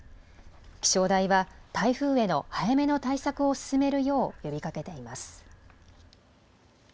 気象台は台風への早めの対策を進めるよう呼びかけています。